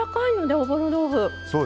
おぼろ豆腐。